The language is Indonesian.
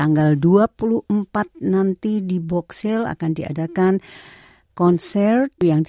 selamat sore ibu selamat sore mbak sri